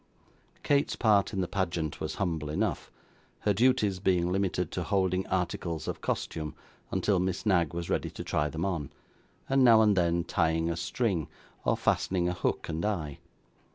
Kate's part in the pageant was humble enough, her duties being limited to holding articles of costume until Miss Knag was ready to try them on, and now and then tying a string, or fastening a hook and eye.